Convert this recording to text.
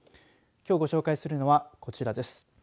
きょうご紹介するのはこちらです。